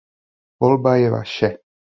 Volba je vaše.